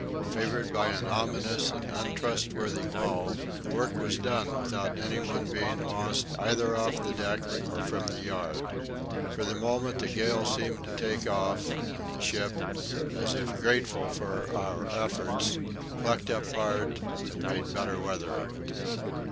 Favoured by an ominous and untrustworthy lull, the work was done without any one being lost either off the deck or from the yard. For the moment the gale seemed to take off, and the ship, as if grateful for our efforts, plucked up heart and made better weather of it.